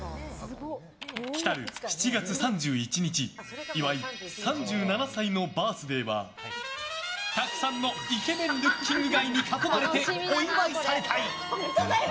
来る７月３１日岩井３７歳のバースデーはたくさんのイケメン・ルッキングガイに囲まれてお祝いされたい。